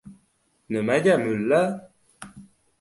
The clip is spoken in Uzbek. — Nimaga mulla